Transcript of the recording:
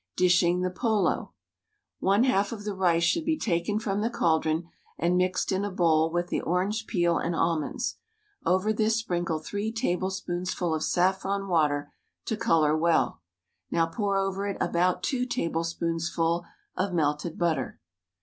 Dishing the Polow: One half of the rice should be taken from the caldron and mixed in a bovrl with the orange peel and almonds. Over this sprinkle three table spoonsful of saffron water to color well. Now pour over it about two tablespoonsful of melted butter.